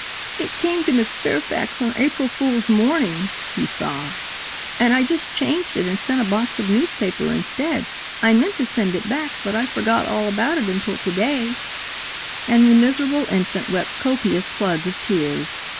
"It came to Miss Fairfax on April Fool's morning," he sobbed, "and I just changed it and sent a box of newspaper instead. I meant to send it back, but I forgot all about it until to day;" and the miserable infant wept copious floods of tears.